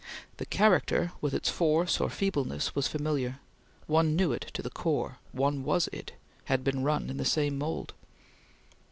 The character, with its force or feebleness, was familiar; one knew it to the core; one was it had been run in the same mould.